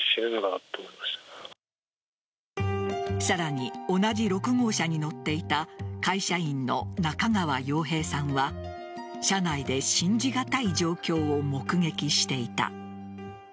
さらに同じ６号車に乗っていた会社員の中川陽平さんは車内で信じがたい状況を目撃していた。